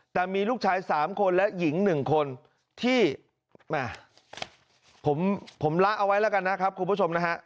แต่มีลูกชาย๓คนและหญิง๑คนที่ผมละเอาไว้แล้วกันนะครับคุณผู้ชมนะฮะ